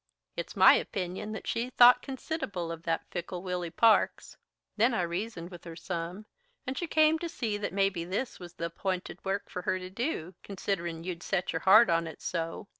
It's my opinion that she thought consid'able of that fickle Willy Parks. Then I reasoned with her some, and she come to see that maybe this was the app'inted work for her to do considerin' you'd set your heart on it so.